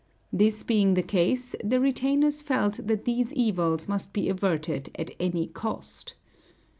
This being the case, the retainers felt that these evils must be averted at any cost.